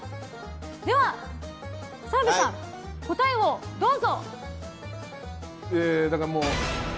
では澤部さん、答えをどうぞ！